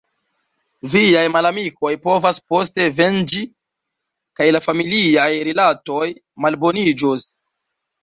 Viaj malamikoj povas poste venĝi – kaj la familiaj rilatoj malboniĝos.